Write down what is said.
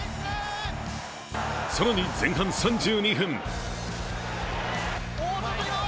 更に前半３２分。